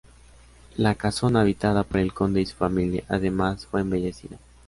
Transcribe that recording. La casona habitada por el Conde y su familia, además fue embellecida.